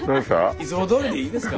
いつもどおりでいいですか？